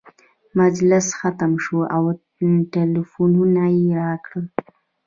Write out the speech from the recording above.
مجلس ختم شو او ټلفونونه یې راکړل.